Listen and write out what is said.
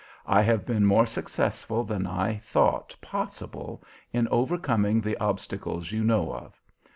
I have been more successful than I thought possible in overcoming the obstacles you know of.